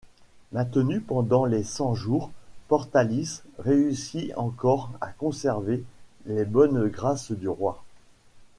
Maintenu pendant les Cent-Jours, Portalis réussit encore à conserver les bonnes grâces du roi.